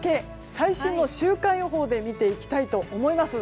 最新の週間予報で見ていきたいと思います。